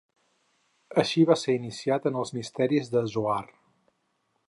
Així va ser iniciat en els misteris del Zohar.